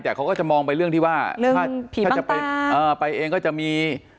แต่เขาก็จะมองไปเรื่องที่ว่าเรื่องผีบ้างตาเออไปเองก็จะมี